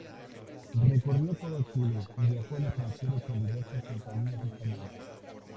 Recorrió todo Chile y viajó al extranjero con diversas compañías españolas.